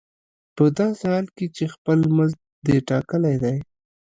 په داسې حال کې چې خپل مزد دې ټاکلی دی